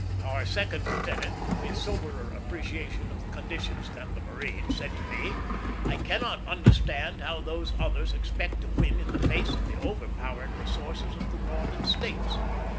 Our second lieutenant, with soberer appreciation of conditions than the marine, said to me, "I cannot understand how those others expect to win in the face of the overpowering resources of the Northern States."